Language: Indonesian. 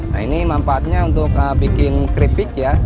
nah ini manfaatnya untuk bikin keripik ya